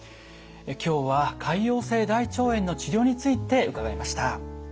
今日は潰瘍性大腸炎の治療について伺いました。